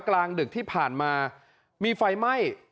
กลางดึกที่ผ่านมามีไฟไหม้